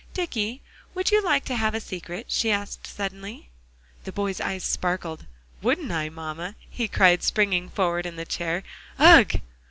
"Dicky, would you like to have a secret?" she asked suddenly. The boy's eyes sparkled. "Wouldn't I mamma?" he cried, springing forward in the chair; "ugh!"